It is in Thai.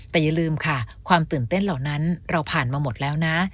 แต่อย่าลืมค่ะความตื่นเต้นเหล่านั้นเราผ่านมาหมดแล้วนะ